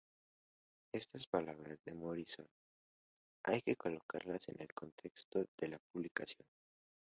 Estas palabras de Morrison hay que colocarlas en el contexto de la producción.